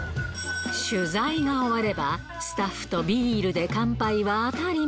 取材が終われば、スタッフとビールで乾杯は当たり前。